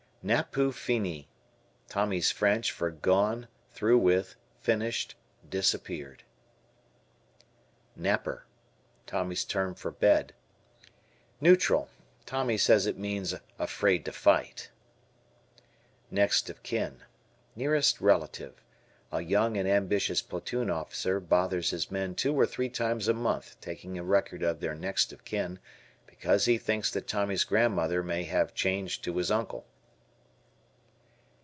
"Napoo Fini." Tommy's French for gone, through with, finished, disappeared. "Napper." Tommy's term for bead. Neutral. Tommy says it means "afraid to fight." Next of Kin. Nearest relative. A young and ambitious platoon officer bothers his men two or three times a month taking a record of their "next of kin," because he thinks that Tommy's grandmother may have changed to his uncle.